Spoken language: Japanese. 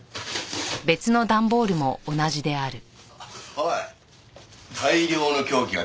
おい大量の凶器が出てきたぞ。